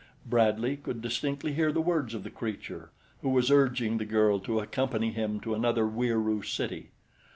Bradley could distinctly hear the words of the creature, who was urging the girl to accompany him to another Wieroo city.